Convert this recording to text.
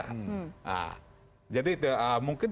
nah jadi mungkin tidak harus melakukan perubahan radio